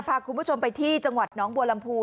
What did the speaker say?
พาคุณผู้ชมไปที่จังหวัดน้องบัวลำพู